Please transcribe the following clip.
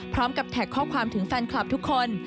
แท็กข้อความถึงแฟนคลับทุกคน